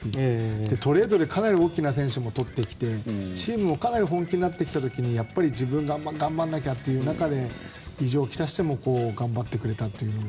トレードでかなり大きな選手も取ってきてチームがかなり本気になってきた時にやっぱり自分が頑張らなきゃという中で異常をきたしても頑張ってきたという。